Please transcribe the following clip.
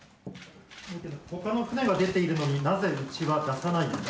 他の船が出ているのになぜうちの船は出さないんだ